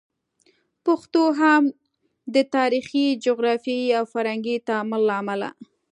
پښتو هم د تاریخي، جغرافیایي او فرهنګي تعامل له امله